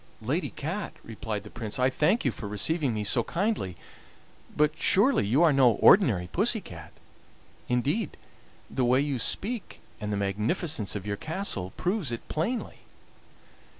"Lady Cat," replied the Prince, "I thank you for receiving me so kindly, but surely you are no ordinary pussy cat? Indeed, the way you speak and the magnificence of your castle prove it plainly."